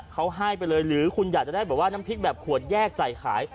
เขาให้ไปเลยหรือคุณอยากจะได้แบบว่าน้ำพริกแบบขวดแยกใส่ขาย